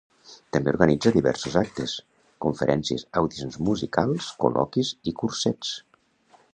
També organitza diversos actes, conferències, audicions musicals, col·loquis i cursets.